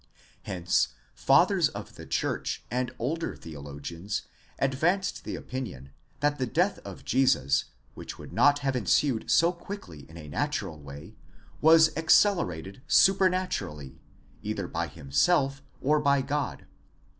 Hence fathers of the church and older theologians advanced the opinion, that the death of Jesus, which would not have ensued so quickly in a natural way, was accelerated supernaturally, either by himself or by God